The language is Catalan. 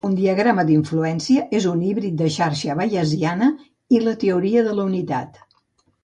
Un diagrama d'influència és un híbrid de xarxa bayesiana i la Teoria de la Utilitat.